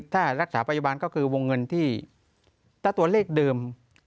ถ้ารักษรพยาบาลก็คือวงเงินสะตวแลกเดิม